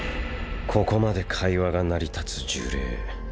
ここまで会話が成り立つ呪霊。